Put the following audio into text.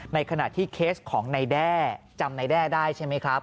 ในขณะที่เคสของนายแด้จำนายแด้ได้ใช่ไหมครับ